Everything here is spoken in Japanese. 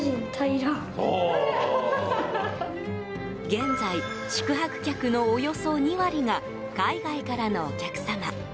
現在、宿泊客のおよそ２割が海外からのお客様。